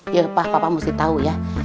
ya pa papa mesti tau ya